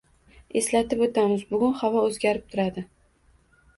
Eslatib oʻtamiz, bugun havo oʻzgarib turadi.